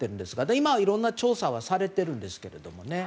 今、いろんな調査はされてるんですけどもね。